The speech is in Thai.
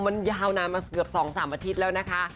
มันยาวนานมาเกือบ๒๓อาทิตย์แล้วนะคะ